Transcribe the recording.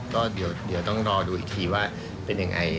ก็เดี๋ยวต้องรอดูอีกทีว่าเป็นยังไง